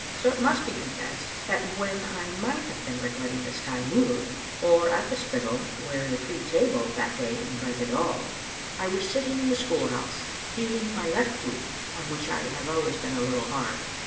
So it must be confessed that when I might have been regarding the sky moodily, or at the Spittal, where a free table that day invited all, 1 Digitized by VjOOQ IC 218 Vbc Xfttle Afnt0ter« was sitting in the school house, heeling my left boot, on which I have always been a little hard.